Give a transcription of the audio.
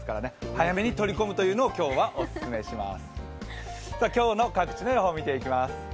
早めに取り込むのを今日はオススメします。